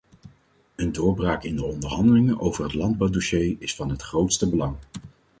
Een doorbraak in de onderhandelingen over het landbouwdossier is van het grootste belang.